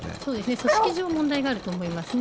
組織上問題があると思いますね。